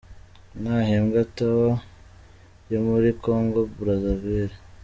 Nahemba Tower, yo muri Congo Brazzaville.